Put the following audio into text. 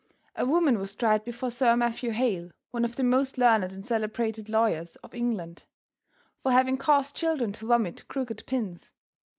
A woman was tried before Sir Matthew Hale, one of the most learned and celebrated lawyers of England, for having caused children to vomit crooked pins.